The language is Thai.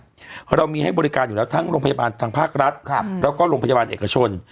เรามีให้บริการอยู่แล้วทั้งโรงพยาบาลทางภาครัฐแล้วก็โรงพยาบาลเอกชน